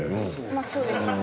まあそうですよね。